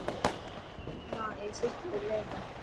نه اي صرف ٻولي تا.